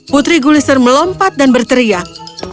putri guliser melompat dan berteriak